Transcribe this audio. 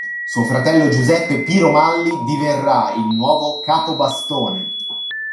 Suo fratello Giuseppe Piromalli diverrà il nuovo capobastone.